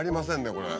これ。